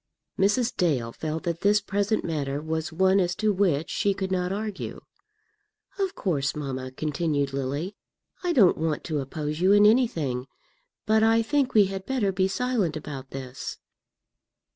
Mrs. Dale felt that this present matter was one as to which she could not argue. "Of course, mamma," continued Lily, "I don't want to oppose you in anything, but I think we had better be silent about this."